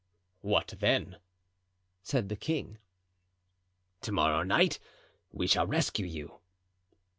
"What then?" said the king. "To morrow night we shall rescue you."